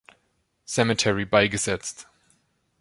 Cemetery" beigesetzt.